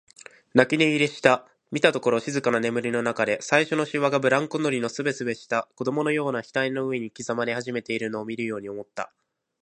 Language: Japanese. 泣き寝入りした、見たところ静かな眠りのなかで、最初のしわがブランコ乗りのすべすべした子供のような額の上に刻まれ始めているのを見るように思った。